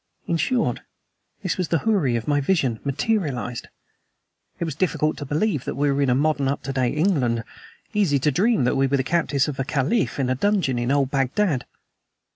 In short, this was the houri of my vision, materialized. It was difficult to believe that we were in modern, up to date England; easy to dream that we were the captives of a caliph, in a dungeon in old Bagdad.